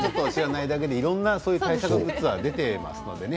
いろんな対策グッズは出ていますのでね。